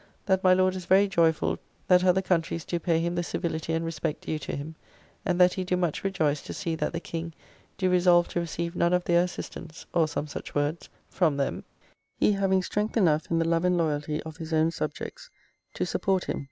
That my Lord is very joyful that other countries do pay him the civility and respect due to him; and that he do much rejoice to see that the King do resolve to receive none of their assistance (or some such words), from them, he having strength enough in the love and loyalty of his own subjects to support him.